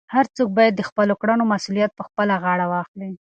هر څوک باید د خپلو کړنو مسؤلیت په خپله غاړه واخلي.